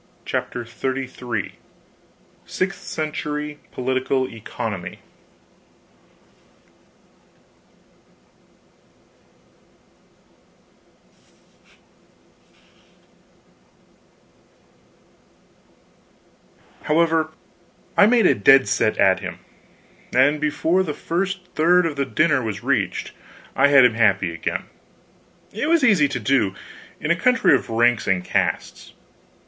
CHAPTER XXXIII SIXTH CENTURY POLITICAL ECONOMY However, I made a dead set at him, and before the first third of the dinner was reached, I had him happy again. It was easy to do in a country of ranks and castes.